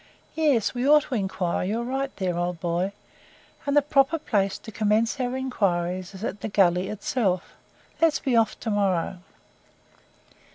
Yes, we ought to inquire; you're right there, old boy, and the proper place to commence our inquiries is at the gully itself. Let's be off tomorrow."